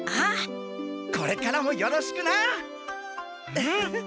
これからもよろしくな！